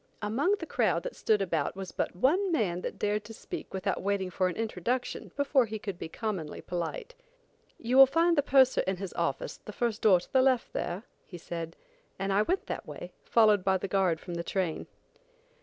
Among the crowd that stood about was but one man that dared to speak without waiting for an introduction before he could be commonly polite. "You will find the purser in his office the first door to the left there," he said; and I went that way, followed by the guard from the train.